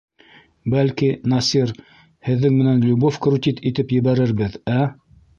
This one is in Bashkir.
Бәлки, Насир, һеҙҙең менән любовь крутить итеп ебәрербеҙ, ә?